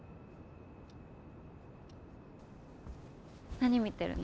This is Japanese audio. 何見てるの？